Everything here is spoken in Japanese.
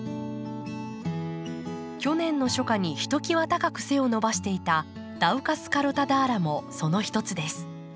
去年の初夏にひときわ高く背を伸ばしていたダウカスカロタ‘ダーラ’もその一つです。